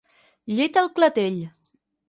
«Llet al clatell».